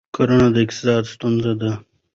کرنه د اقتصاد ستون ده.